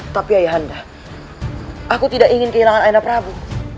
tapi ayahanda aku tidak ingin kehilangan ayahanda prabu